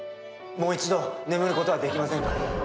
もう一度眠ることはできませんか？